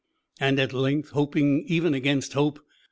and at length, hoping even against hope.